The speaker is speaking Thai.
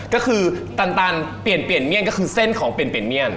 ก็คือตันตันเปียงเปียงเมียนก็คือเส้นของเปียงเปียงเมียน